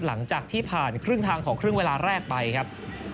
หลังจากที่ผ่านครึ่งทางของครึ่งเวลาแรกไปครับ